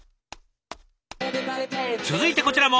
続いてこちらも！